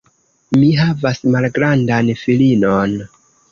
Mi havas malgrandan filinon.